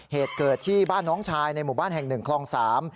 เหตุเกิดที่บ้านน้องชายในหมู่บ้านแห่งหนึ่งคลองสาม